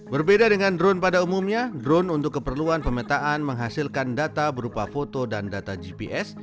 berbeda dengan drone pada umumnya drone untuk keperluan pemetaan menghasilkan data berupa foto dan data gps